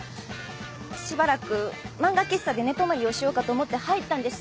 しばらく漫画喫茶で寝泊まりをしようかと思って入ったんです。